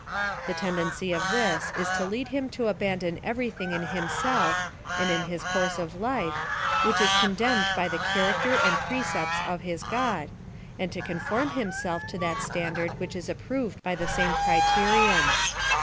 The tendency of this is to lead him to abandon every thing in himself, and in his course of life, which is condemn ed by the character and precepts of his god, and to conform himself to that standard which is approved by the same criterion.